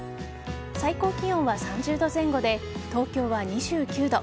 最高気温は３０度前後で東京は２９度。